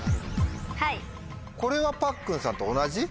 これはパックンさんと同じ？